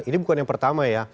ini bukan yang pertama ya